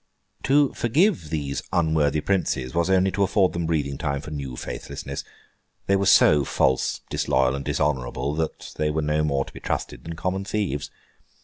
To forgive these unworthy princes was only to afford them breathing time for new faithlessness. They were so false, disloyal, and dishonourable, that they were no more to be trusted than common thieves.